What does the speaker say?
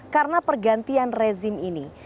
karena pergantian rezim ini